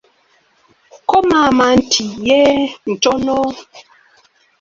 Ko maama nti, yeee ,ntono.